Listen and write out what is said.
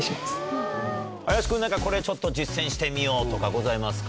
林君これ実践してみようとかございますか？